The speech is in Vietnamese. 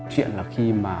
chuyện là khi mà